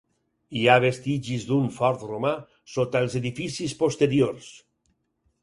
Hi ha vestigis d'un fort romà sota els edificis posteriors.